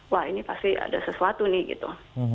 wah ini pasti ada sesuatu nih gitu